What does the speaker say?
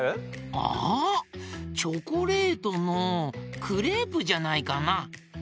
あっチョコレートのクレープじゃないかな？